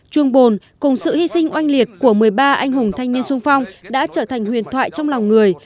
chuồng bồn cùng sự hy sinh oanh liệt của một mươi ba anh hùng thanh niên sung phong đã trở thành huyền thoại trong lòng người